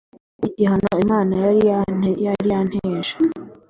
” N’igihano Imana yari yanteje